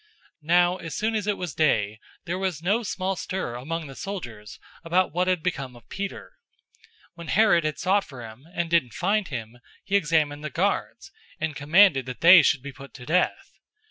012:018 Now as soon as it was day, there was no small stir among the soldiers about what had become of Peter. 012:019 When Herod had sought for him, and didn't find him, he examined the guards, and commanded that they should be put to death.